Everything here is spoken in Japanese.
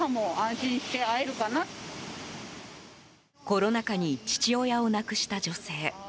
コロナ禍に父親を亡くした女性。